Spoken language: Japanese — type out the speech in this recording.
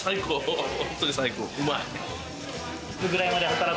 うまい。